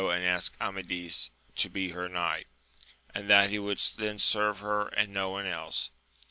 AMADIS OF GAUL. 17 be her knight, and that he would then serve her and no one else.